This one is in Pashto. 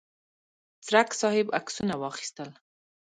څرک صاحب عکسونه واخیستل.